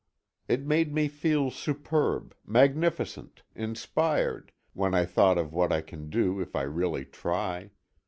It made me feel superb, magnificent, inspired, when I thought of what I can do if I really try.